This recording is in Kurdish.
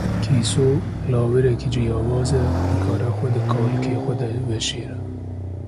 Kîso, lawirekî ciyawaz e, dikare xwe di qalikê xwe de veşêre.